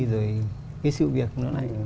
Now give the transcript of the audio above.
rồi cái sự việc nó lại